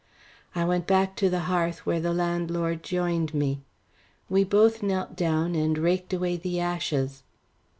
I went back to the hearth where the landlord joined me. We both knelt down and raked away the ashes.